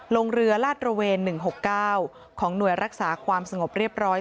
ลงเรือลาดระเวน๑๖๙ของหน่วยรักษาความสงบเรียบร้อย